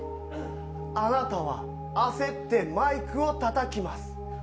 あなたは、焦ってマイクをたたきます。